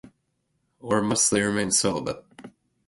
Or must they remain celibate?